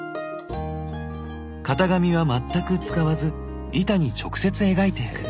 型紙は全く使わず板に直接描いていく。